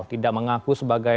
tidak mengaku sebagai